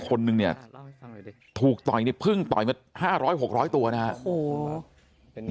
คนหนึ่งเนี่ยถูกต่อยเนี่ยเพิ่งต่อยเมื่อห้าร้อยหกร้อยตัวนะฮะโอ้โห